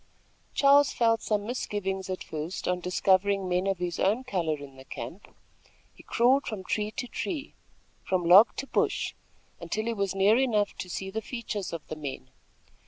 Charles felt some misgivings at first on discovering men of his own color in the camp. He crawled from tree to tree, from log to bush, until he was near enough to see the features of the men.